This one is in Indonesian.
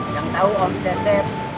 yang tau om cetet